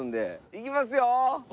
いきますよー！